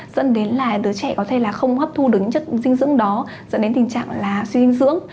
dẫn đến là đứa trẻ có thể là không hấp thu được những chất dinh dưỡng đó dẫn đến tình trạng là suy dinh dưỡng